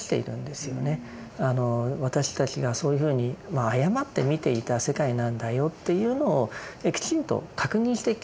私たちがそういうふうに誤って見ていた世界なんだよというのをきちんと確認していきなさいと。